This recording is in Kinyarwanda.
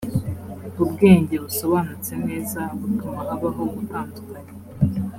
ubwenge busobanutse neza butuma habaho gutandukanya.